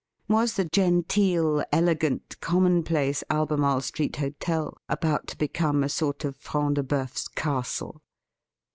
Was the genteel, elegant, commonplace Albemarle Street hotel about to become a sort of Front de Boeurs castle